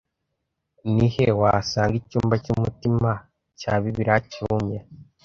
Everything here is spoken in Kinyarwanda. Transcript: Ni he wasanga icyumba cyumutima cya Bibiliya cyumye